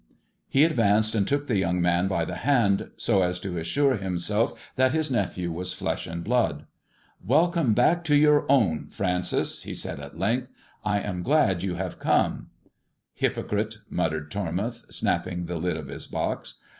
He advanced, and took the young man by the hand, so as to assure himself that his nephew was flesh and blood. " Welcome back to your own, Francis," he said at length' " I am glad you have come." THE JESUIT AND THE MEXICAN COIN 305 " Hypocrite !" muttered Tormouth, snapping the lid of ie box.